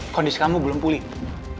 kondisi kamu belum pulih